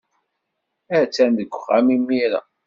Attan deg uxxam imir-a.